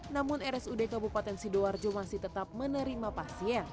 namun rsud kabupaten sidoarjo masih tetap menerima pasien